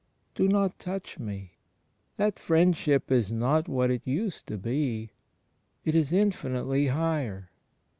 "Do not touch me." ... That Friendsh^) is not what it used to be: it is infinitely higher.